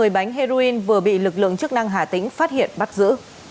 một mươi bánh heroin vừa bị lực lượng chức năng hà tĩnh phát hiện bắt giữ